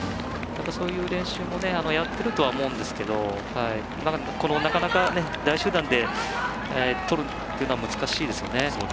そういう練習もやってるとは思うんですけどなかなか、大集団で取るというのは難しいですよね。